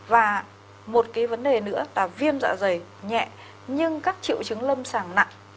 và một cái vấn đề nữa là viêm dạ dày nhẹ nhưng các triệu chứng lâm sàng nặng